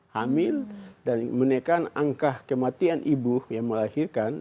hamil dan menekan angka kematian ibu yang melahirkan